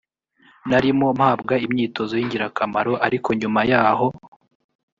narimo mpabwa imyitozo y ingirakamaro ariko nyuma yaho